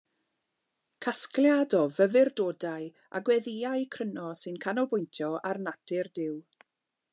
Casgliad o fyfyrdodau a gweddïau cryno sy'n canolbwyntio ar natur Duw.